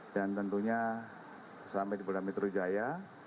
dan tentunya sampai di polda metro jaya